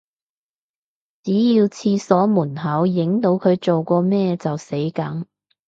只要廁所門口影到佢做過咩就死梗